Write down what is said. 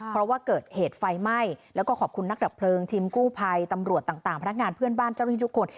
เพราะว่าเกิดเหตุไฟไหม้แล้วก็ขอบคุณนักดับเพลิงทีมกู้ภัยตำรวจต่างพนักงานเพื่อนบ้านเจ้าหน้าที่ทุกคน